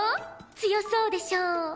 強そうでしょ？